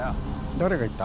誰が言った。